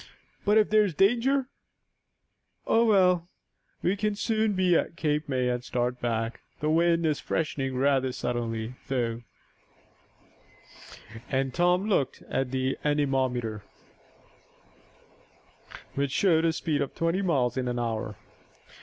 "But if there's danger " "Oh, well, we can soon be at Cape May, and start back. The wind is freshening rather suddenly, though," and Tom looked at the anemometer, which showed a speed of twenty miles an hour.